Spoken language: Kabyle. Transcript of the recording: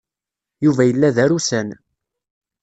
Yuba yella d arusan.